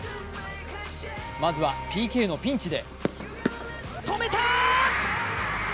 まずはＰＫのピンチで。